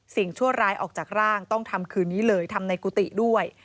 ชั่วร้ายออกจากร่างต้องทำคืนนี้เลยทำในกุฏิด้วย